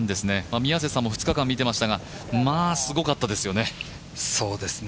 宮瀬さんも２日間見ていたんですが、すごかったですよね。